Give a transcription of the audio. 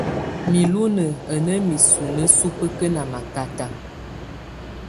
Mulunǝ́ á ná misunǝ́ subǝ́kǝ́ ná makátá.